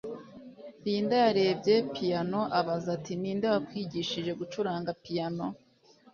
linda yarebye piyano abaza ati ninde wakwigishije gucuranga piyano